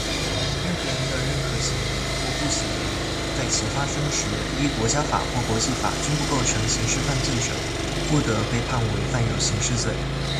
任何人的任何行为或不行为,在其发生时依国家法或国际法均不构成刑事罪者,不得被判为犯有刑事罪。